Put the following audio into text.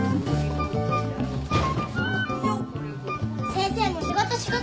先生も仕事仕事。